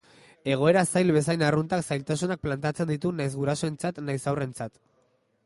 Egoera zail bezain arruntak zailtasunak planteatzen ditu nahiz gurasoentzat nahiz haurrentzat.